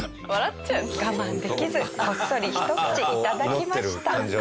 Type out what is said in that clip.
我慢できずこっそりひと口いただきました。